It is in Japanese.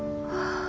ああ